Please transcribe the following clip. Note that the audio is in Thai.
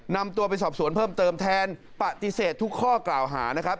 นำตัวไปสอบสวนเพิ่มเติมแทนปฏิเสธทุกข้อกล่าวหานะครับ